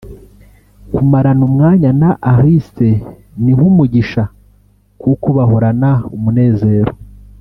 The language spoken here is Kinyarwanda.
Kumarana umwanya na Alice ni nk’umugisha kuko bahorana umunezero